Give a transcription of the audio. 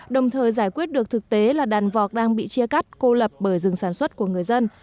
đồng thời giải quyết được thực tế là đàn vọc đang bị chia cắt cô lập bởi rừng sản xuất của người dân